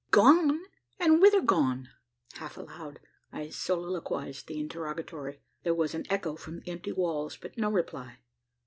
"Gone! and whither gone?" Half aloud, I soliloquised the interrogatory. There was an echo from the empty walls, but no reply.